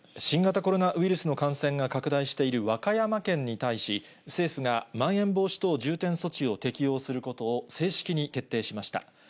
新型コロナウイルスの感染が拡大している和歌山県に対し、政府がまん延防止等重点措置を適用することを正式に決定しました。